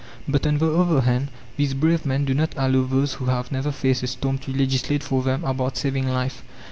But, on the other hand, these brave men do not allow those who have never faced a storm to legislate for them about saving life.